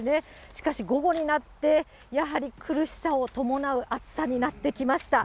しかし午後になって、やはり苦しさを伴う暑さになってきました。